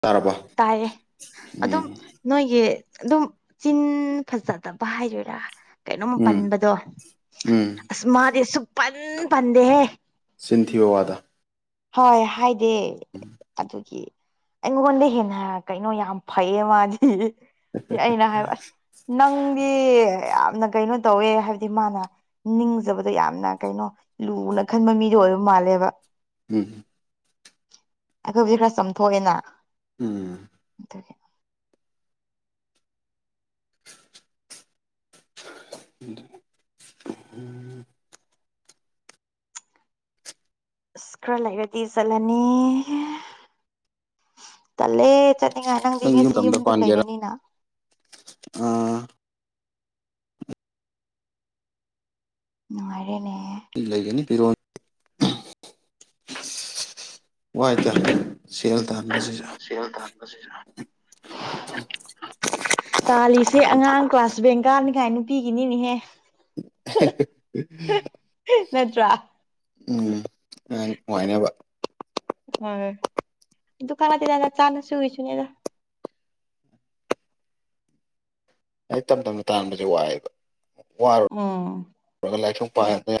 ꯇꯥꯔꯕ ꯇꯥꯏꯌꯦ ꯑꯗꯨꯝ ꯎꯝ ꯅꯣꯏꯒꯤ ꯑꯗꯨꯝ ꯆꯤꯟ ꯐꯖꯗꯕ ꯍꯥꯏꯗꯣꯏꯔꯥ ꯀꯩꯅꯣꯝ ꯎꯝ ꯄꯟꯕꯗꯣ ꯎꯝ ꯑꯁ ꯃꯥꯗꯤ ꯁꯁꯨꯛ ꯄꯟ ꯄꯟꯗꯦꯍꯦ ꯁꯤꯤꯟꯊꯤ ꯑꯣꯏ ꯋꯥꯗ ꯍꯣꯏ ꯍꯥꯏꯗꯦ ꯑꯗꯨꯒꯤ ꯑꯩꯉꯉꯣꯟꯗ ꯍꯦꯟꯅ ꯀꯩꯅꯣ ꯌꯥꯝ ꯐꯩꯌꯦ ꯃꯥꯗꯤ ꯑꯩꯅ ꯍꯥꯏꯕ ꯑꯁ ꯅꯪꯗꯤ ꯌꯥꯝꯅ ꯀꯩꯅꯣ ꯇꯧꯋꯦ ꯍꯥꯏꯕꯗꯤ ꯃꯥꯅ ꯅꯤꯡꯖꯕꯗꯣ ꯌꯥꯝꯅ ꯀꯩꯅꯣ ꯂꯨꯅ ꯈꯟꯕ ꯃꯤꯗꯣ ꯑꯣꯏꯕ ꯃꯥꯂꯦꯕ ꯎꯝ ꯑꯩꯈꯣꯏꯕꯨꯗꯤ ꯈꯔ ꯆꯥꯝꯊꯣꯛꯑꯦꯅ ꯎꯝ ꯑꯗꯨ ꯎꯝ ꯎꯁꯀ꯭ꯔ ꯂꯩꯔꯗꯤ ꯆꯂꯅꯤ ꯇꯂꯦꯠ ꯉꯥꯏ ꯅꯪꯗꯤ ꯅꯪ ꯉꯁꯤ ꯌꯨꯝꯗꯨꯝ ꯂꯩꯔꯅꯤꯅ ꯑ ꯅꯨꯡꯉꯥꯏꯔꯦꯅꯦ ꯂꯩꯒꯅꯤ ꯄꯤꯔꯣ ꯋꯥꯇꯦ ꯁꯤꯦꯜ ꯇꯁꯤ ꯇꯥꯜꯂꯤꯁꯦ ꯑꯉꯥꯡ ꯀ꯭ꯂꯥꯁ ꯁꯕꯦꯟ ꯀꯥꯅꯤꯉꯥꯏ ꯅꯨꯄꯤꯒꯤꯅꯤꯅꯤꯍꯦ [inaudible] ꯅꯠꯇ꯭ꯔꯥ ꯎꯝ ꯌꯥꯝ ꯅꯨꯡꯉꯥꯏꯅꯦꯕ ꯍꯣꯏ ꯗꯨꯀꯥꯟꯇꯅ ꯆꯥꯅ ꯁꯨꯏꯁꯨꯅꯦꯗ [inaudible] ꯑꯩ ꯇꯝ ꯇꯞꯅ ꯇꯥꯟꯕꯁꯦ ꯋꯥꯏꯑꯦꯕ ꯎꯝ ꯋꯥꯔ ꯂꯥꯏꯁ ꯄꯗ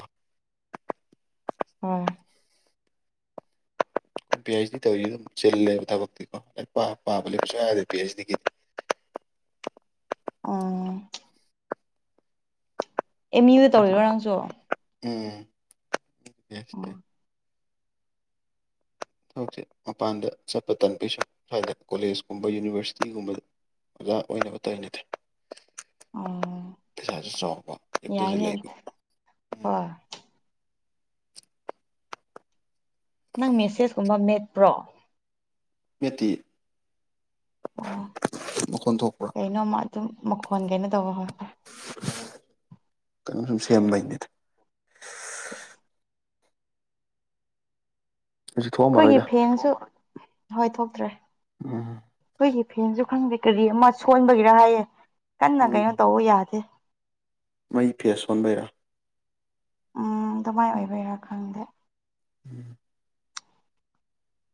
ꯑ ꯄꯤ ꯑꯩꯩꯆ ꯗꯤ ꯇꯧꯔꯤ ꯑꯗꯨꯝ ꯆꯤꯜꯂꯦꯕ ꯊꯕꯛꯇꯤꯀꯣ ꯑꯩ ꯄꯥꯕ ꯂꯩꯕꯁꯨ ꯌꯥꯗꯦ ꯄꯤ ꯑꯩꯆ ꯗꯤꯒꯤꯗꯤ [inaudible] ꯎ ꯑꯦꯝ ꯌꯨꯗ ꯇꯧꯔꯤꯔꯣ ꯅꯪꯁꯨ ꯎꯝ ꯍꯧꯁꯩ ꯃꯄꯥꯟꯗ ꯆꯠꯄ ꯇꯥꯟ ꯄꯁꯨ ꯍꯥꯏꯗ ꯀꯣꯂꯦꯖꯀꯨꯝꯕ ꯌꯨꯅꯤꯚꯔꯁꯤꯇꯤꯒꯨꯝꯕꯗ ꯑꯣꯖꯥ ꯑꯣꯏꯅꯕ ꯇꯥꯏꯅꯠꯇꯦ ꯎꯝ ꯄꯩꯁꯥꯁꯨ ꯆꯥꯎꯣꯡꯉꯕ ꯑꯝꯇꯁꯨ ꯌꯥꯏꯅꯦ ꯂꯩꯕ ꯎꯝ ꯍꯣꯏ ꯅꯪ ꯃꯦꯁꯦꯁꯀꯨꯝꯕ ꯃꯦꯠꯄ꯭ꯔꯣ ꯠꯇ ꯑꯣ ꯀꯩꯅꯣꯃ ꯑꯗꯨꯝ ꯃꯈꯣꯟ ꯀꯩꯅꯣ ꯇꯧꯕ ꯍꯣꯏ ꯀꯩꯅꯣ ꯁꯨꯝ ꯁꯦꯝꯕꯩꯅꯤꯗ [inaudible] ꯍꯧꯖꯤꯛ ꯑꯩꯈꯣꯏꯒꯤ ꯊꯣꯛꯑꯝꯃꯔꯣꯏꯗ ꯐꯦꯟꯁꯨ ꯍꯣꯏ ꯊꯣꯛꯇ꯭ꯔꯦ ꯑ ꯑꯩꯈꯣꯏꯒꯤ ꯐꯦꯟꯁꯨ ꯈꯪꯗꯦ ꯀꯔꯤ ꯑꯃ ꯁꯣꯟꯕꯒꯤꯔ ꯍꯥꯏꯌꯦ ꯀꯟꯅ ꯎꯝ ꯀꯩꯅꯣ ꯇꯧꯕ ꯌꯥꯗꯦ ꯃꯩ ꯐꯦꯁ ꯁꯣꯟꯕꯩꯔꯥ ꯎꯝ ꯑꯗꯨꯃꯥꯏꯅ ꯑꯣꯏꯕꯩꯔꯥ ꯈꯪꯗꯦ ꯎꯝ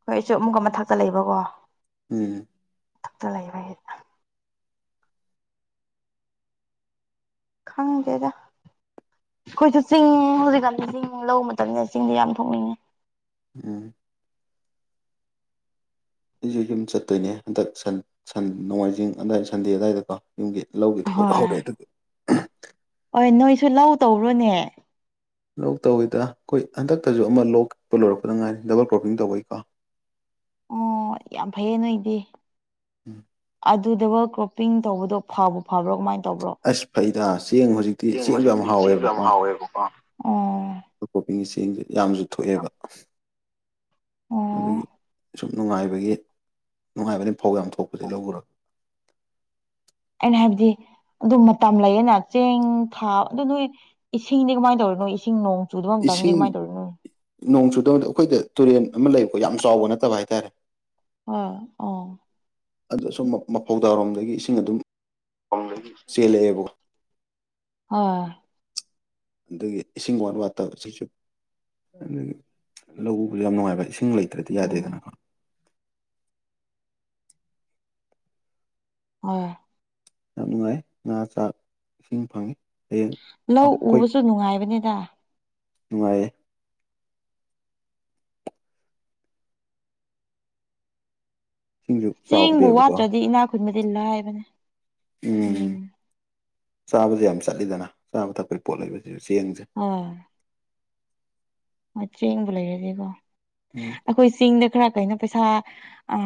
ꯍꯣꯏꯁꯨ ꯑꯃꯨꯛꯀ ꯃꯊꯛꯇ ꯂꯩꯕꯀꯣ ꯎꯝ ꯊꯛꯇ ꯂꯩꯕꯩ ꯈꯪꯗꯦꯗ ꯑꯈꯣꯏꯁꯨ ꯆꯤꯡ ꯍꯧꯖꯤꯛꯀꯥꯟꯗꯤ ꯆꯤꯡ ꯂꯧ ꯃꯇꯝꯅꯤꯗ ꯆꯤꯡꯗꯤ ꯌꯥꯝ ꯊꯣꯛꯅꯤꯡꯉꯦ ꯎꯝ ꯑꯩꯁꯨ ꯌꯨꯝ ꯆꯠꯇꯣꯏꯅꯦ ꯍꯟꯗꯛ ꯁꯟ ꯁꯟ ꯅꯣꯡꯃꯥꯏꯖꯤꯡ ꯑꯗꯨꯋꯥꯏꯗ ꯁꯟꯗꯦ ꯑꯗꯨꯋꯥꯏꯗꯀꯣ ꯌꯨꯝꯒꯤ ꯂꯧꯒꯤ ꯊꯕꯛ ꯍꯣꯏ ꯍꯧꯔꯛꯑꯦ ꯑꯗꯨꯒꯤ ꯍꯣꯏ ꯅꯣꯏꯁꯨ ꯂꯧ ꯇꯧꯔꯣꯅꯦ ꯂꯩ ꯇꯧꯋꯤꯗ ꯑꯈꯣꯏ ꯍꯟꯗꯛꯇꯁꯨ ꯑꯃ ꯂꯣꯛꯄ ꯂꯣꯏꯔꯛꯄꯗ ꯉꯥꯏꯔꯤ ꯗꯕꯜ ꯀ꯭ꯔꯣꯞꯄꯤꯡ ꯇꯧꯕꯩꯀꯣ [unintelligible] ꯑꯣ ꯌꯥꯝ ꯐꯩꯌꯦ ꯅꯣꯏꯗꯤ ꯎꯝ ꯑꯗꯨ ꯗꯕꯜ ꯀ꯭ꯔꯣꯞꯄꯤꯡ ꯇꯧꯕꯗꯣ ꯐꯕꯨ ꯐꯕ꯭ꯔꯣ ꯀꯃꯥꯏ ꯇꯧꯕ꯭ꯔꯣ ꯑꯁ ꯐꯩꯗ ꯆꯦꯡ ꯍꯧꯖꯤꯛꯇꯤ ꯆꯦꯡ ꯆꯦꯡꯁꯨ ꯌꯥꯝ ꯍꯧꯖꯤꯛꯇꯤ ꯆꯦꯡꯗꯣ ꯌꯥꯝ ꯍꯥꯎꯋꯦꯕꯀꯣ ꯍꯥꯎꯋꯦꯕꯀꯣ ꯑꯣ ꯀ꯭ꯔꯣꯄꯤꯡ ꯆꯦꯡ ꯆꯦꯡꯁꯦ ꯌꯥꯝꯁꯨ ꯊꯣꯛꯑꯦꯕ ꯑꯣ ꯑꯗꯨꯒꯤ ꯁꯨꯝ ꯅꯨꯡꯉꯥꯏꯕꯒꯤ ꯅꯨꯡꯉꯥꯏꯕꯅꯤ ꯐꯧ ꯌꯥꯝ ꯊꯣꯛꯄꯅꯤ ꯂꯧ ꯎꯔ ꯑꯩꯅ ꯍꯥꯏꯕꯗꯤ ꯑꯗꯨ ꯃꯇꯝ ꯂꯩꯌꯦꯅ ꯆꯦꯡ ꯊꯥ ꯑꯗꯨ ꯅꯣꯏ ꯏꯁꯤꯡꯗꯤ ꯀꯃꯥꯏꯅ ꯇꯧꯔꯤ ꯅꯣꯏ ꯏꯁꯤꯡ ꯅꯣꯡ ꯆꯨꯗꯕ ꯃꯇꯝꯗꯤ ꯀꯃꯥꯏ ꯇꯧꯔꯤꯅꯣ ꯑꯗꯣ ꯑꯈꯣꯏꯗ ꯇꯨꯔꯦꯟ ꯑꯃ ꯂꯩꯕꯀꯣ ꯌꯥꯝ ꯆꯥꯎꯕ ꯅꯠꯇꯕ ꯍꯥꯏꯇꯥꯔꯦ ꯑ ꯑ ꯑꯗꯨ ꯁꯨꯝ ꯃꯐꯧꯗꯥ ꯔꯣꯝꯗꯒꯤ ꯏꯁꯤꯡ ꯑꯗꯨꯝ ꯆꯦꯜꯂꯛꯑꯦꯕꯀꯣ ꯑ ꯑꯗꯒꯤ ꯏꯁꯤꯡ ꯋꯥꯠ ꯋꯥꯠꯇ ꯁꯤꯁꯨ ꯑꯗꯒꯤ ꯂꯧꯎꯕꯁꯨ ꯌꯥꯝ ꯅꯨꯡꯉꯥꯏꯕ ꯏꯁꯤꯡ [unintelligible] ꯂꯩꯇ꯭ꯔꯗꯤ ꯎꯝ ꯌꯥꯗꯦꯗꯅ ꯑ ꯌꯥꯝ ꯅꯨꯡꯉꯥꯏ ꯉꯥ ꯆꯥꯛ ꯏꯁꯤꯡ ꯐꯪꯉꯤ ꯍꯌꯦꯡ ꯂꯧ ꯑꯩꯈꯣꯏ ꯎꯕꯁꯨ ꯅꯨꯡꯉꯥꯏꯕꯅꯦꯗ ꯅꯨꯡꯉꯥꯏꯌꯦ ꯏꯁꯤꯡꯁꯨ ꯆꯦꯡꯕꯨ ꯆꯥꯎꯗꯦꯕꯀꯣ ꯋꯥꯠꯇ꯭ꯔꯗꯤ ꯏꯅꯥꯛ ꯈꯨꯟꯕꯗꯤ ꯂꯥꯏꯕꯅꯦ ꯎꯝ ꯆꯥꯕꯁꯦ ꯌꯥꯝ ꯆꯠꯂꯤꯗꯅ ꯆꯥꯕ ꯊꯛꯄꯒꯤ ꯄꯣꯠ ꯂꯩꯕꯁꯤꯁꯨ ꯆꯦꯡꯁꯦ ꯑ ꯆꯦꯡꯕꯨ ꯂꯩꯔꯗꯤ ꯀꯣ ꯎꯝ ꯑꯈꯣꯏ ꯆꯤꯡꯗ ꯈꯔ ꯀꯩꯅꯣ ꯄꯩꯁꯥ ꯑ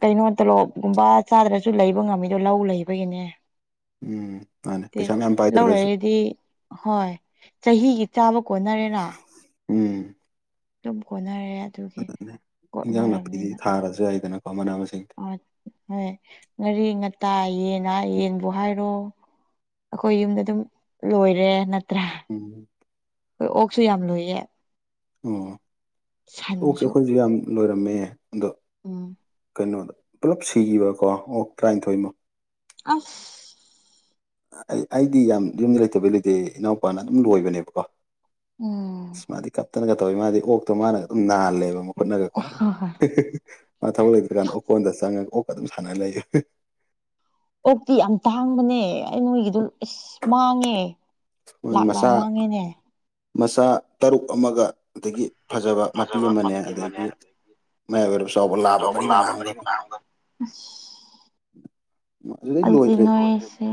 ꯀꯩꯅꯣ ꯇꯣꯂꯣꯞꯒꯨꯝꯕ ꯆꯥꯗ꯭ꯔꯁꯨ ꯂꯩꯕ ꯉꯝꯃꯤꯗꯣ ꯂꯧ ꯂꯩꯕꯒꯤꯅꯦ ꯎꯝ ꯃꯥꯅꯤ ꯄꯩꯁꯥ ꯃꯌꯥꯝ ꯂꯧ ꯄꯥꯏꯗ꯭ꯔꯒꯁꯨ ꯂꯩꯔꯗꯤ ꯍꯣꯏ ꯆꯍꯤꯒꯤ ꯆꯥꯕ ꯀꯣꯟꯅꯔꯦꯅ ꯎꯝ ꯑꯗꯨꯝ ꯀꯣꯟꯅꯔꯦ ꯑꯗꯨꯒꯤ ꯑꯗꯨꯅꯦ ꯏꯟꯖꯥꯡ ꯅꯥꯄꯤꯗꯤ ꯀꯣꯠꯅꯔꯕꯅꯤꯅ ꯊꯥꯔꯁꯨ ꯌꯥꯏꯗꯅꯀꯣ ꯃꯅꯥ ꯃꯁꯤꯡꯗꯤ ꯑ ꯍꯣꯏ ꯉꯔꯤ ꯇꯥꯏ ꯌꯦꯟ ꯑ ꯌꯦꯟꯕꯨ ꯍꯥꯏꯔꯣ ꯑꯈꯣꯏ ꯌꯨꯝꯗ ꯑꯗꯨꯝ ꯂꯣꯏꯔꯦ ꯅꯠꯇ꯭ꯔꯥ ꯎꯝ ꯍꯣꯏ ꯑꯣꯛꯁꯨ ꯌꯥꯝ ꯂꯣꯏꯌꯦ ꯑꯣ ꯑꯣꯛꯁꯦ ꯁꯟꯁꯨ ꯑꯈꯣꯏꯁꯨ ꯌꯥꯝ ꯂꯣꯏꯔꯝꯃꯦ ꯑꯗꯣ ꯎꯝ ꯀꯩꯅꯣꯗ ꯄꯨꯂꯞ ꯁꯤꯒꯤꯕꯀꯣ ꯑꯣꯛ ꯇ꯭ꯔꯥꯏꯟꯊꯣꯏꯃꯨꯛ ꯑꯁ ꯑꯩ ꯑꯩꯗꯤ ꯌꯥꯝ ꯌꯨꯝ ꯂꯩꯇꯕꯩ ꯂꯩꯇꯦ ꯏꯅꯥꯎꯄꯥꯅ ꯑꯗꯨꯝ ꯂꯣꯏꯕꯅꯦꯕꯀꯣ ꯎꯝ ꯑꯁ ꯃꯥꯗꯤ ꯀꯞꯇꯅꯒ ꯇꯧꯋꯤ ꯃꯥꯗꯤ ꯑꯣꯛꯇꯣ ꯃꯥꯅ ꯑꯗꯨꯝ ꯅꯥꯍꯜꯂꯦꯕ ꯃꯈꯨꯠꯅꯒꯀꯣ ꯍꯣꯏ ꯍꯣꯏ ꯃꯥ ꯊꯕꯛ ꯂꯩꯇ꯭ꯔꯀꯥꯟꯗ ꯑꯣꯀꯣꯟꯗ ꯆꯪꯉꯒ ꯑꯣꯛꯀ ꯑꯗꯨꯝ ꯁꯥꯟꯅ ꯂꯩꯌꯦ ꯑꯣꯛꯇꯤ ꯌꯥꯝ ꯇꯥꯡꯕꯅꯦ ꯑꯩ ꯅꯣꯏꯒꯤꯗ ꯏꯁꯁ ꯃꯥꯡꯉꯦ ꯃꯣꯏꯒꯤ ꯂꯥꯛ ꯂꯥꯛ ꯃꯆꯥ ꯃꯥꯡꯉꯦꯅꯦ ꯃꯆꯥ ꯇꯔꯨꯛ ꯑꯃꯒꯗꯒꯤ ꯐꯖꯕ ꯃꯄꯤ ꯑꯃꯅꯦ ꯑꯗꯒꯤ ꯃꯌꯥꯝ ꯑꯣꯏꯔ ꯆꯥꯎꯕ ꯂꯥꯑꯕ ꯃꯔꯤ ꯃꯉꯥ ꯑꯃꯈꯛ ꯑꯗꯨꯗꯤꯟꯅꯁꯦ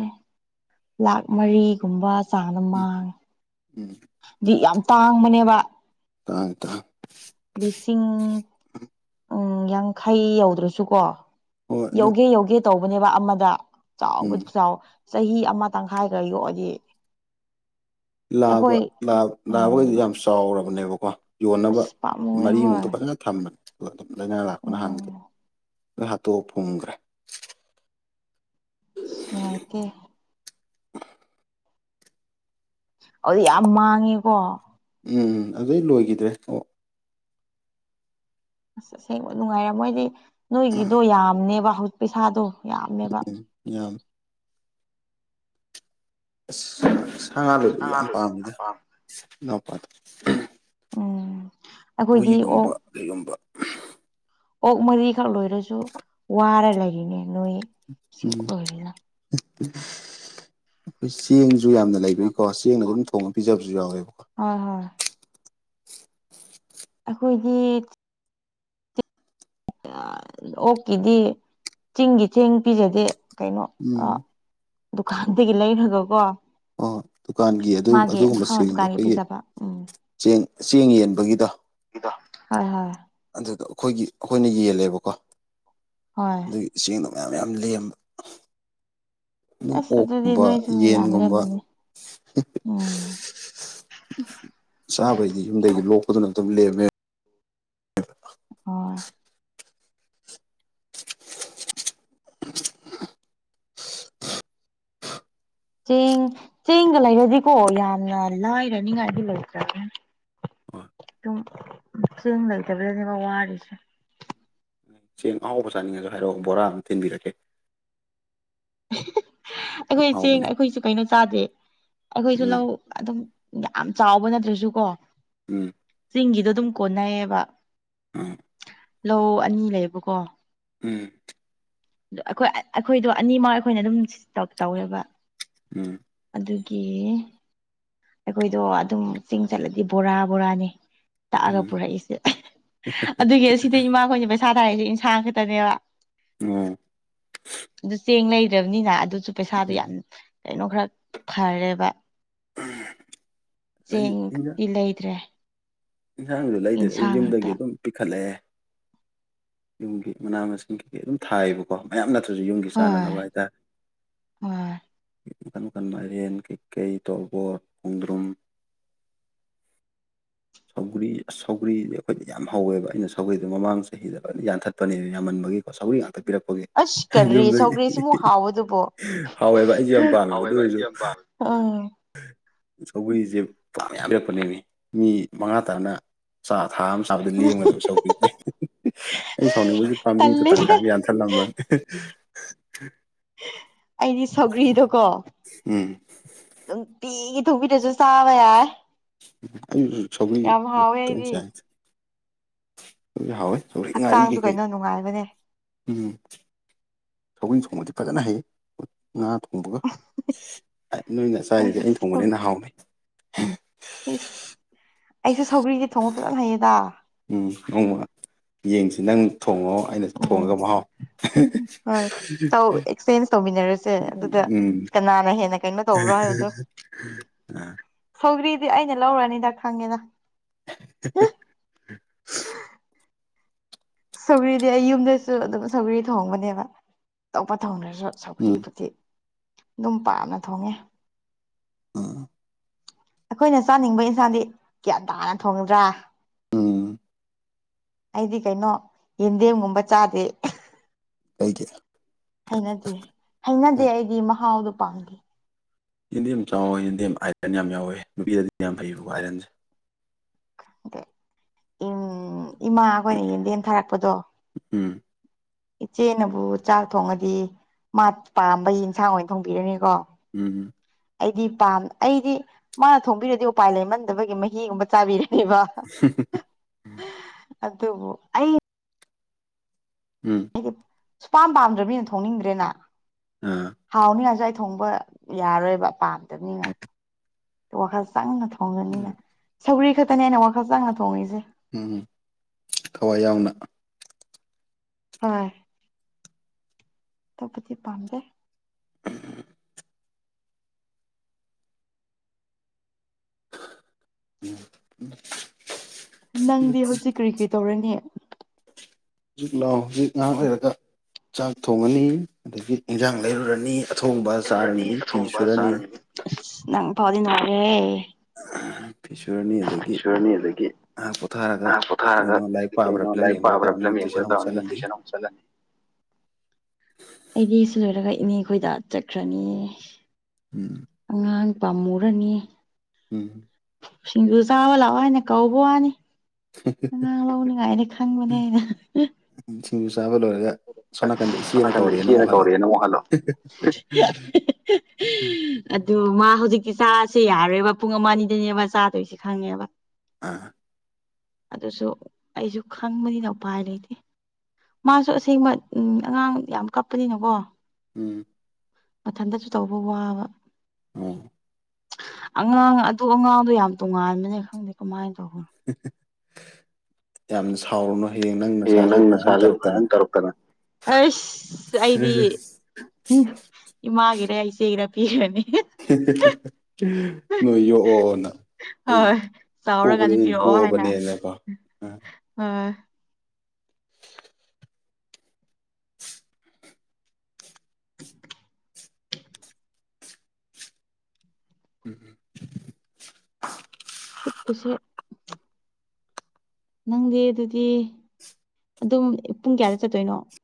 ꯂꯥꯛ ꯃꯔꯤꯒꯨꯝꯕ ꯆꯥꯡꯅ ꯎꯝ ꯃꯥꯡꯉꯦ ꯎꯝ ꯗꯤ ꯌꯥꯝ ꯇꯥꯡꯕꯅꯦꯕ ꯇꯥꯡ ꯇ ꯂꯤꯁꯤꯡ ꯎꯝ ꯌꯥꯡꯈꯩ ꯌꯧꯗ꯭ꯔꯁꯨꯀꯣ ꯍꯣꯏ ꯑꯗꯨꯝ ꯌꯧꯒꯦ ꯌꯧꯒꯦ ꯇꯧꯕꯅꯦꯕ ꯑꯃꯗ ꯎꯝ ꯆꯥꯎꯕꯗꯤ ꯆꯥꯎ ꯆꯍꯤ ꯑꯃ ꯇꯪꯈꯥꯏꯈ꯭ꯔ ꯌꯣꯛꯑꯗꯤ ꯂꯥꯕ ꯑꯩꯈꯣꯏ ꯂꯥꯕꯈꯩꯗꯤ ꯎꯝ ꯌꯥꯝ ꯆꯥꯎꯔꯕꯅꯦꯕꯀꯣ ꯌꯣꯟꯅꯕ ꯑꯁ ꯄꯥꯝꯃꯨꯑꯦ ꯃꯔꯤꯃꯨꯛꯇ ꯍꯣꯏ ꯐꯖꯅ ꯊꯝꯃꯅꯤ ꯑꯗꯨꯝ ꯂꯥꯏꯅꯥ ꯂꯥꯛꯄꯅ ꯎꯝ ꯍꯥꯡꯉꯗꯦ ꯍꯥꯇꯣꯛ ꯐꯨꯝꯈ꯭ꯔꯦ ꯅꯨꯡꯉꯥꯏꯇꯦ ꯑꯗꯨꯗꯤ ꯌꯥꯝ ꯃꯥꯡꯉꯦꯀꯣ ꯎꯝ ꯎꯝ ꯑꯗꯨꯩ ꯂꯣꯏꯈꯤꯗ꯭ꯔꯦ ꯑꯣ ꯑꯁ ꯑꯁꯦꯡꯕ ꯅꯨꯡꯉꯥꯏꯔ ꯃꯣꯏꯗꯤ ꯅꯣꯏꯒꯤꯗꯣ ꯌꯥꯝꯅꯦꯕ ꯍꯧꯖꯤꯛ ꯄꯩꯁꯥꯗꯣ ꯌꯥꯝꯃꯦꯕ ꯝ ꯌꯥꯝ ꯑꯁ ꯁꯥ ꯉꯥ ꯂꯣꯏꯕꯗꯤ ꯌꯥꯝ ꯄꯥꯝꯗ ꯏꯅꯥꯎꯄꯥꯗꯣ ꯎꯝ ꯑꯩꯈꯣꯏꯗꯤ ꯍꯨꯏꯒꯨꯝꯕ ꯑꯣꯛ ꯀꯩꯒꯨꯝꯕ ꯑꯣꯛ ꯃꯔꯤꯈꯛ ꯂꯣꯏꯔꯁꯨ ꯋꯥꯔ ꯂꯩꯔꯤꯅꯦ ꯣꯏ ꯁꯤ ꯎꯝ ꯑꯣꯏ ꯑꯩꯈꯣꯏ ꯆꯦꯡ ꯁꯨ ꯌꯥꯝꯅ ꯂꯩꯕꯒꯤꯀꯣ ꯆꯦꯡꯅ ꯑꯗꯨꯝ ꯊꯣꯡꯉ ꯄꯤꯖꯕꯁꯨ ꯌꯥꯎꯋꯦꯕꯀꯣ ꯍꯣꯏ ꯍꯣꯏ ꯑꯩꯈꯣꯏꯒꯤ ꯑꯣꯛꯀꯤꯗꯤ ꯆꯤꯡꯒꯤ ꯊꯦꯡ ꯄꯤꯖꯗꯦ ꯀꯩꯅꯣ ꯎꯝ ꯗꯨꯀꯥꯟꯗꯒꯤ ꯂꯩꯈ꯭ꯔꯒꯀꯣ ꯑꯣ ꯗꯨꯀꯥꯟꯒꯤ ꯑꯗꯨ ꯑꯗꯨꯒꯨꯝꯕ ꯍ ꯁꯦꯜꯗꯣ ꯗꯨꯀꯥꯟꯒꯤ ꯑꯩꯈꯣꯏꯒꯤ ꯄꯤꯖꯕ ꯎꯝ ꯆꯦꯡ ꯆꯦꯡ ꯌꯦꯟꯕꯒꯤꯗ ꯍꯣꯏ ꯍꯣꯏ ꯑꯗꯨꯗ ꯑꯩꯈꯣꯏꯒꯤ ꯑꯩꯈꯣꯏꯅ ꯌꯦꯜꯂꯦꯕꯀꯣ ꯍꯣꯏ ꯑꯗꯨꯒꯤ ꯆꯦꯡꯅ ꯃꯌꯥꯝ ꯌꯥꯝ ꯂꯦꯝꯕ ꯑꯗꯨꯝ ꯑꯁ ꯑꯗꯨꯗꯤ ꯑꯣꯛꯀꯨꯝꯕ ꯅꯣꯏꯁꯨ ꯌꯥꯝ ꯌꯦꯟꯒꯨꯝꯕ ꯂꯩꯦꯕꯅꯤ ꯑꯣꯝ ꯆꯥꯕꯩꯗꯤ ꯌꯨꯝꯗꯒꯤ ꯂꯣꯛꯄꯗꯨꯅ ꯑꯗꯨꯝ ꯂꯦꯝꯃꯦ ꯍ ꯆꯦꯡ ꯆꯦꯡꯒ ꯂꯩꯔꯗꯤꯀꯣ ꯌꯥꯝꯅ ꯂꯥꯏꯔꯅꯤꯉꯥꯏꯗꯤ ꯂꯩꯇ꯭ꯔꯒꯦ [inaudible] ꯁꯦꯡ ꯂꯩꯇꯃ ꯋꯥꯔꯁ ꯆꯦꯡ ꯑꯍꯥꯎꯕ ꯆꯥꯅꯤꯡꯉꯁꯨ ꯍꯥꯏꯔꯛꯑꯣ ꯕꯣꯔꯥ ꯑꯃꯝ ꯊꯤꯟꯕꯤꯔꯛꯀꯦ ꯑꯩꯈꯣꯏ ꯆꯦꯡ ꯑꯍꯥꯎꯕꯅꯦ ꯑꯩꯈꯣꯏꯁꯨ ꯀꯩꯅꯣ ꯆꯥꯗꯦ ꯑꯩꯈꯣꯏꯁꯨ ꯎꯝ ꯂꯧ ꯑꯗꯨꯝ ꯌꯥꯝ ꯆꯥꯎꯕ ꯅꯠꯇ꯭ꯔꯁꯨ ꯀꯣ ꯎꯝ ꯆꯤꯡꯒꯤꯗꯣ ꯑꯗꯨꯝ ꯀꯣꯟꯅꯩꯌꯦꯕ ꯎꯝ ꯂꯧ ꯑꯅꯤ ꯂꯩꯌꯦꯕꯀꯣ ꯎꯝ ꯑ ꯑꯩꯈꯣꯏ ꯑꯩꯈꯣꯏꯗꯣ ꯑꯅꯤꯃꯛ ꯑꯩꯈꯣꯏꯅ ꯑꯗꯨꯝ ꯇꯧꯋꯦꯕ ꯎꯝ ꯑꯗꯨꯒꯤ ꯑꯩꯈꯣꯏꯗꯣ ꯑꯗꯨꯝ ꯆꯤꯡ ꯆꯠꯂꯗꯤ ꯕꯣꯔꯥ ꯕꯣꯔꯥꯅꯤ ꯇꯥꯛꯑꯒ ꯎꯝ ꯄꯨꯔꯛꯏꯁꯦ ꯑꯗꯨꯒꯤ ꯁꯤꯗ ꯏꯃꯥꯈꯣꯏꯅ ꯄꯩꯁꯥ ꯊꯥꯔꯛꯏꯁꯦ ꯏꯟꯁꯥꯡ ꯈꯛꯇꯅꯦꯕ ꯎꯝ ꯑꯗꯨ ꯆꯦꯡ ꯂꯩ꯭ꯔꯕꯅꯤꯅ ꯑꯗꯨꯁꯨ ꯄꯩꯁꯥꯗꯣ ꯌꯥꯝ ꯀꯩꯅꯣ ꯈꯔ ꯈꯔꯦꯕ ꯎꯝ ꯆꯦꯡꯡ ꯏꯂ ꯏꯗ꯭ꯔꯦ ꯌꯦꯟꯁꯥꯡꯁꯨ ꯂꯩꯗ꯭ꯔ ꯑꯩ ꯌꯨꯝꯗꯒꯤ ꯑꯗꯨꯝ ꯄꯤꯈꯠꯂꯛꯑꯦ ꯌꯨꯝꯒꯤ ꯃꯅꯥ ꯃꯁꯤꯡ ꯀꯩꯀꯩ ꯑꯗꯨꯝ ꯊꯥꯏꯌꯦꯕꯀꯣ ꯃꯌꯥꯝꯅ ꯌꯨꯝꯒꯤ ꯍꯣꯏ ꯁꯥꯟꯅꯅꯕ ꯍꯥꯏꯇꯥꯔꯦ ꯍꯣꯏ ꯏꯀꯟ ꯃꯈꯀꯟ ꯃꯥꯏꯔꯦꯟ ꯀꯩꯀꯩ ꯇꯣꯔꯕꯣꯠ ꯈꯣꯡꯗ꯭ꯔꯨꯝ [unintelligible] ꯁꯧꯒ꯭ꯔꯤ ꯁꯧꯒ꯭ꯔꯤꯁꯦ ꯑꯩꯈꯣꯏꯗꯤ ꯌꯥꯝ ꯍꯧꯋꯦꯕ ꯑꯩꯅ ꯁꯧꯒ꯭ꯔꯤꯗꯣ ꯃꯃꯥꯡ ꯆꯍꯤꯗꯅ ꯌꯥꯟꯊꯠꯄꯅꯦ ꯌꯥꯝꯃꯟꯕ ꯁ ꯇꯠꯄꯤꯔꯛꯄꯒꯤ ꯑꯁ ꯀꯔꯤ ꯌꯨꯝꯗꯒꯤ ꯁꯧꯒ꯭ꯔꯤꯁꯤꯃꯨꯛ ꯍꯥꯎꯕꯗꯨꯕꯣ ꯍꯥꯎꯋꯦꯕ ꯑꯩꯁꯨꯦ ꯌꯥꯝ ꯄꯥꯝꯃꯦꯕ ꯑꯗꯨ ꯑꯣꯏꯔꯁꯨ ꯑꯣ ꯁꯧꯒꯔꯤꯁꯦ ꯄꯥ ꯃ ꯌꯥꯝ ꯄꯤꯔꯛꯄꯅꯦꯃꯤ ꯃꯤ ꯃꯉꯥ ꯇꯔꯅ ꯆꯥ ꯊꯥ ꯑꯃ ꯆꯥꯕꯗ ꯂꯦꯝꯒ ꯑꯗꯨꯝ ꯁꯧꯕꯤꯗꯩ ꯑꯩ ꯁꯥꯎꯅꯤꯡꯕꯕꯁꯤ ꯄꯥꯝꯕꯤꯗꯨꯣ ꯇꯪꯈꯥꯏ ꯇꯜꯂꯤꯍꯦ ꯑꯃ ꯌꯥꯟꯊꯠꯂꯝꯕꯅꯤ [unintelligible] ꯑꯩꯗꯤ ꯁꯧꯒ꯭ꯔꯤꯗꯣꯀꯣ ꯎꯝ ꯅꯨꯡꯇꯤ ꯊꯃꯤ ꯇꯁꯨ ꯁꯥꯕ ꯌꯥ ꯁ ꯑꯩꯗꯤ ꯆ ꯍ ꯍꯛꯆꯥꯡꯁꯨ ꯀꯩꯅꯣ ꯅꯨꯡꯉꯥꯏꯕꯅꯦ ꯎꯝ ꯁꯅ ꯁꯗꯤꯤ ꯐꯖꯅ ꯍꯥꯏꯌꯦ ꯉꯥ ꯊꯣꯡꯕꯒ ꯅꯣꯏꯅ ꯆꯥꯏꯔꯤꯗꯤ ꯑꯩꯁꯨ ꯑꯩꯅ ꯊꯣꯡꯕꯅꯦ ꯑꯅ ꯁꯧꯒ꯭ꯔꯤ ꯍꯥꯎꯅꯩ ꯏꯁ ꯑꯩꯁꯦ ꯁꯧꯒ꯭ꯔꯤꯁ ꯊꯣꯡꯕ ꯐꯖꯅ ꯍꯩꯌꯦꯗ ꯎꯝ ꯑꯃ ꯌꯦꯡꯁꯤ ꯅꯪ ꯊꯣꯡꯉꯣ ꯑꯩꯅꯁꯨ ꯎꯝ ꯊꯣꯡꯉꯒ ꯃꯍꯥꯎ ꯍꯣꯏ ꯇꯧ ꯑꯦꯛꯁꯆꯦꯟꯖ ꯇꯧꯃꯤꯟꯅꯔꯁꯦ ꯑꯗꯨꯗ ꯎꯝ ꯀꯅꯥꯅ ꯍꯦꯟꯅ ꯀꯩꯅꯣ ꯇꯧꯕ꯭ꯔꯣ ꯍꯥꯏꯕꯗꯣ ꯑ ꯁꯧꯒ꯭ꯔꯤꯗꯤ ꯑꯩꯅ ꯂꯧꯔꯅꯤꯗ ꯈꯪꯉꯦꯅ [unintelligible] ꯁꯧꯒꯔꯤꯗꯤ ꯑꯩ ꯌꯨꯝꯗꯁꯨ ꯑꯗꯨꯝ ꯁꯧꯒꯔꯤ ꯊꯣꯡꯕꯅꯦꯕ ꯑꯇꯣꯞꯄ ꯊꯣꯡꯅꯔ ꯎꯝ ꯁꯒ꯭ꯔꯤꯕꯕꯨꯨꯗꯤ ꯑꯗꯨꯝ ꯄꯥꯝꯅ ꯊꯣꯡꯉꯦ ꯎꯝ ꯑꯩꯈꯣꯏꯅ ꯆꯥꯅꯤꯡꯕ ꯏꯟꯁꯥꯡꯗꯤ ꯀꯒ꯭ꯌꯥꯟ ꯇꯥꯅ ꯊꯣꯡꯒꯗ꯭ꯔꯥ ꯎꯝ ꯑꯩꯗꯤ ꯀꯩꯅꯣ ꯌꯦꯟꯗꯦꯝꯒꯨꯝꯕ ꯆꯥꯗꯦ ꯑꯩꯒꯤ ꯍꯩꯅꯗꯦ ꯍꯩꯅꯗꯦ ꯑꯩꯗꯤ ꯃꯍꯥꯎꯗꯣ ꯄꯥꯗꯦ ꯌꯦꯤꯟꯗꯦꯝ ꯆꯥꯎꯋꯦ ꯌꯦꯟꯗꯦꯝ ꯑꯥꯏꯔꯟ ꯌꯥꯝ ꯌꯥꯎꯋꯦ ꯅꯨꯄꯤꯗꯗꯤ ꯌꯥꯝ ꯐꯩꯌꯦꯕꯀ ꯑꯥꯏꯔꯟꯁꯦ ꯈꯪ ꯎ ꯏꯃꯥ ꯑꯩꯈꯣꯏꯅ ꯌꯦꯨꯝꯗꯦꯟꯊꯥꯔꯛꯄꯗꯣ ꯎꯝ ꯏꯆꯦꯅꯕꯨ ꯆꯥꯛ ꯊꯣꯡꯉꯗꯤ ꯃꯥ ꯄꯥꯝꯕꯒꯤ ꯌꯦꯟꯁꯥꯡ ꯑꯣꯏꯅ ꯊꯣꯡꯕꯤꯔꯅꯤꯀꯣ ꯎꯝ ꯑꯩꯗꯤ ꯄꯥꯝꯅ ꯑꯩꯗꯤ ꯃꯥꯅ ꯊꯣꯡꯝꯕꯤꯔꯗꯤ ꯎꯄꯥꯏ ꯂꯩꯃꯟꯗꯕꯒꯤ ꯃꯍꯤꯒꯨꯝꯕ ꯆꯥꯕꯤꯔꯦ ꯕ ꯑꯗꯨꯕꯨ ꯑꯩ ꯎꯝ ꯁꯨꯄꯥꯝ ꯄꯥꯝꯗ꯭ꯔꯕꯅꯤꯅ ꯊꯣꯡꯅꯤꯡꯗ꯭ꯔꯦꯅ ꯑꯥ ꯍꯥꯎꯅꯤ ꯍꯥꯏꯁꯨ ꯊꯣꯡꯕ ꯌꯥꯔꯣꯏꯕ ꯄꯥꯝꯗꯕꯅꯤꯅ ꯋꯥꯈꯜ ꯆꯪꯅ ꯊ ꯊꯣꯡꯒꯅꯤꯅ ꯁꯧꯔꯤ ꯈꯛꯇꯅꯦ ꯑꯩꯅ ꯋꯥꯈꯜ ꯆꯥꯡꯅ ꯊꯣꯡꯉꯏꯁꯦ ꯎꯝ ꯊꯋꯥꯏ ꯌꯥꯎꯅ ꯍ ꯇꯕꯨꯗꯤ ꯄꯝꯒꯦ ꯎꯝ ꯅꯪꯗꯤ ꯍꯧꯖꯤꯛ ꯀꯔꯤ ꯀꯔꯤ ꯇꯧꯔꯅꯤ ꯍꯧꯖꯤꯛ ꯂꯥꯛꯑꯣ ꯍꯧꯖꯤꯛ ꯉꯥꯏꯍꯥꯛ ꯑꯣꯏꯔꯒ ꯆꯥꯛ ꯊꯣꯡꯉꯅꯤ ꯑꯗꯒꯤ ꯏꯟꯖꯥꯡ ꯂꯩꯔꯨꯔꯅꯤ ꯑꯊꯣꯡꯕ ꯏꯔꯨꯔꯅꯤ ꯆꯥꯔꯅꯤ ꯐꯤ ꯑꯊꯣꯡꯕ ꯁꯨꯔꯅꯤ ꯆꯥꯔꯅꯤ ꯅꯪ ꯐꯥꯎꯗꯤꯅꯔꯔꯦ [inaudible] ꯑꯗꯒꯤ ꯇ꯭ꯔꯤꯁꯣꯔꯅꯤ ꯂꯩꯗꯒꯤ ꯉꯥꯏꯍꯥꯛ ꯄꯣꯊꯥꯔꯒ ꯑꯥ ꯀꯩ ꯄꯣꯊꯥꯔꯒ ꯀꯩꯅꯣ ꯂꯥꯏꯔꯤꯛ ꯀ ꯄꯥꯕ꯭ꯔꯥ ꯀꯩꯅꯣ ꯐꯤꯂꯝ ꯂꯥꯏꯔꯤꯛ ꯌꯦꯡꯕ꯭ꯔꯥ ꯄꯥꯕ꯭ꯔꯥ ꯇꯧꯔꯅꯤ ꯐꯤꯂꯝ ꯇꯨꯏꯁꯟ ꯌꯦꯡꯕ꯭ꯔꯥ ꯑꯃꯨꯛ ꯆꯠꯂꯅꯤ ꯇꯧꯔꯅꯤꯁ ꯑꯃꯨꯛ ꯆꯠꯂꯅꯤ [inaudible] ꯑꯩꯗꯤꯁꯨ ꯂꯣꯏꯔꯒ ꯏꯅꯦ ꯈꯣꯏꯗ ꯆꯠꯈ꯭ꯔꯅꯤ ꯎꯝ ꯑꯉꯥꯡ ꯄꯥꯝꯃꯨꯔꯅꯤ ꯎꯝ ꯁꯤꯁꯤꯡꯒꯨ ꯆꯥꯕ ꯂ ꯋꯥꯅꯦ ꯀꯧꯕꯣ ꯋꯥꯅꯤ ꯉꯥꯡ ꯂꯧ ꯂꯩꯉꯥꯏꯗꯤ ꯈꯪꯕꯅꯦ ꯍꯥꯏꯏꯅ ꯁꯤꯡꯖꯨ ꯆꯥꯕ ꯂꯣꯏꯔꯒ ꯁꯣꯝ ꯅꯥꯀꯟꯗ ꯁꯣ ꯏꯆꯦꯅ ꯅꯥꯀꯟꯗ ꯀꯧꯔꯛꯑꯦꯅ ꯏꯆꯦꯅ ꯑꯃꯨꯛ ꯍꯜꯂꯣ ꯀꯧꯔꯦ ꯅꯪ ꯑꯃꯛꯍꯜꯂꯣ ꯑꯗꯨ ꯃꯥ ꯍꯧꯖꯤꯛꯇꯤ ꯆꯥꯁꯦ ꯌꯥꯔꯣꯏꯕ ꯄꯨꯡ ꯑꯃ ꯑꯅꯤꯗꯅꯦꯕ ꯆꯥꯗꯣꯏꯁꯦ ꯈꯪꯉꯦꯕ ꯑꯥ ꯑꯗꯨꯁꯨ ꯑꯩꯁꯨ ꯈꯪꯕꯅꯤꯅ ꯎꯄꯥꯏ ꯂꯩꯇꯦ ꯃꯥꯁꯨ ꯁꯤ ꯎꯝ ꯑꯉꯥꯡ ꯌꯥꯝ ꯀꯞꯄꯅꯤꯅꯀꯣ ꯎꯝ ꯃꯊꯟꯇꯁꯨ ꯇꯧꯕ ꯋꯥꯕ ꯎꯝ ꯑꯉꯥꯡ ꯑꯗꯨ ꯑꯉꯥꯡꯗꯣ ꯌꯥꯝ ꯇꯣꯉꯥꯟꯕꯅꯦ ꯈꯪꯗꯦ ꯀꯃꯥꯏꯅ ꯇꯧꯕꯅꯣ ꯌꯥꯝ ꯁꯥꯎꯔꯨꯅꯨ ꯍꯌꯦꯡ ꯅꯪ ꯌꯦ ꯅꯆꯥꯁꯨ ꯅꯪ ꯑꯗꯨꯃꯥꯏꯅ ꯁꯍꯖ ꯇꯧꯔꯛꯇꯅ ꯇꯔꯄꯅꯦ ꯑꯁ ꯑꯩꯗꯤ ꯏꯃꯥꯒꯤꯔ ꯏꯆꯦꯒꯤꯔ ꯄꯤꯕꯅꯤ ꯅꯣꯏ ꯌꯣꯛꯑꯣꯅ ꯑꯩ ꯍꯣꯏ ꯄꯄ ꯆꯥꯎꯔꯀꯥꯟꯗ ꯄꯤꯔꯛꯑꯣ ꯍꯥꯏꯅ ꯄꯕꯅꯦꯅꯀꯣ ꯍꯣꯏ ꯎꯝ ꯎꯝ ꯈꯨꯨꯠꯀꯤꯁꯨ ꯅꯪꯗꯤ ꯑꯗꯨꯗꯤ ꯑꯗꯨꯝ ꯄꯨꯡ ꯀꯌꯥꯗ ꯆꯠꯇꯣꯏꯅꯣ